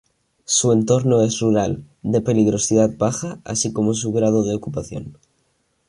Su entorno es rural, de peligrosidad baja así como su grado de ocupación.